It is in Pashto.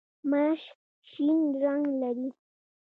ماش شین رنګ لري.